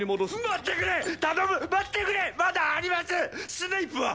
スネイプは？